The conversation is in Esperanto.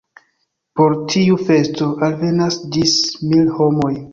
Por tiu festo alvenas ĝis mil homoj.